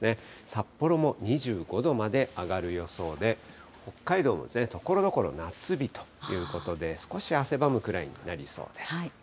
札幌も２５度まで上がる予想で、北海道もところどころ夏日ということで、少し汗ばむくらいになりそうです。